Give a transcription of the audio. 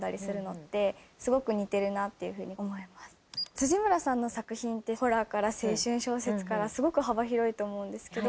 辻村さんの作品ってホラーから青春小説からすごく幅広いと思うんですけど。